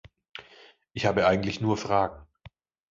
Ich habe eigentlich nur Fragen.